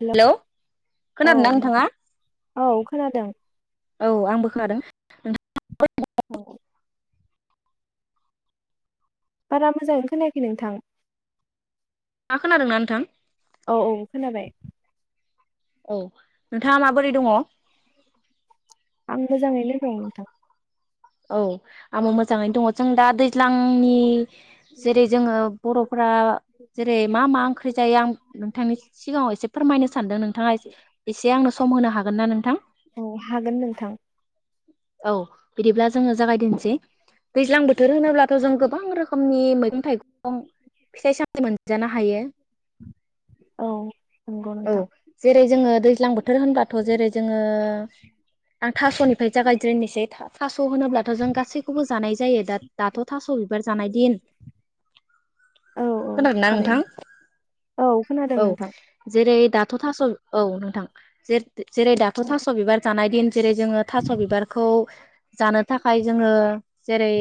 हेल' hello औ खोनादोंनाा नोंथाङा नोंथां औ खोनादों औ आंबो खोनादों औ औ बारा मोजांै खोनायाखै नोंथां मा खोनादोंना नोंथां औ औ खोनाबाय औ नोंथाङा माबोरै दङ आं मोजाङैनो लोगोबाव नोंथां औ आबो मोजाङैनो दङ जों दा दैज्लांनि जेरै जोङो बर'फ जेरै मा मा ओंख्रि जायो आं नोंथांनि सिगाङाव एसे फोरमायनो सानदों नोंथाङा ए एसे आंनो सम होनो हागोन ना नोंथां औ हागोन नोंथां औ बिदिब्ला जोङो जागायदिेनसै दैज्लां बोथोर होनोब्लाथ' जों गोबां रोखोमनि मैगं थाइगं फिथाइ सामाइ मोनजानो हायो औ नंगौनो दा जो दै दैज्लां बोथोर होनबाथ' जेरै जोङो आं थास'निफ्राय जागायज्रनोसै थ सास होन ग औ औ ख थारैनो औ खोनादों नोंथां नोंथ ज दाथ' थास' औ नोंथां जे जेरै दाथ' औ थास' बिबार जानाय दिन जेरै जोङो थास' बिबारखौ जानो थाखाय जोङो जेरै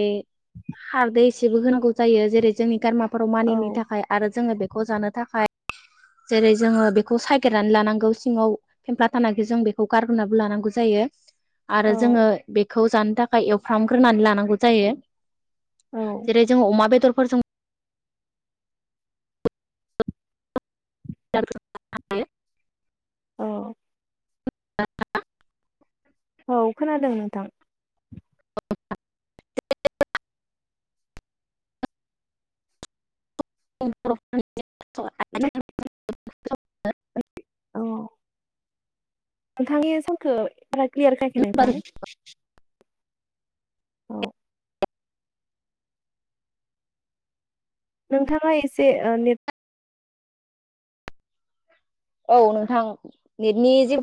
हारदै एसेबो होनांगौ जायो जेरै जोंनि गारमा फोराव मानिनि औ थाखाय आरो जोङो बे खौ जानो थाखाय जेरै जोङो बेखौ सगेरनानै लानांगौ सिङाव फेमफ्ला थानाखि जों बेखौ गारग्रोनानैो लानांगौ जायो आरो जोङो औ बे खौ जानो थाखाय एवफ्रामग्रोनानै लानांगौ जायो औ जेरै जों अमा बेदर फोरजों [inaudible] औ दा औ खोनादों नोंथां। [unintelligible] द [unintelligible] औ। नोंथांनि सानखौ क्लियार फैयाखै नोंथां औ नोंथाङा एसे नेट औ नोंथां नेटनि जे